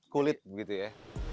kulit begitu ya